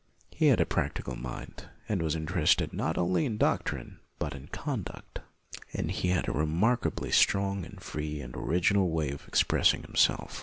He had a practical mind, and was inter ested, not only in doctrine, but in con duct. And he had a remarkably strong and free and original way of expressing himself.